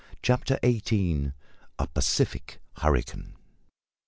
CHAPTER EIGHTEEN. A PACIFIC HURRICANE.